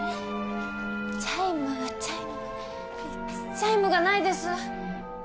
チャイムがないです。